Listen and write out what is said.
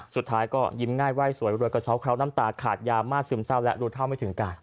สุดท้ายก็ยิ้มง่ายไห้สวยรวยกระเช้าเคล้าน้ำตาขาดยามาซึมเศร้าและรู้เท่าไม่ถึงการ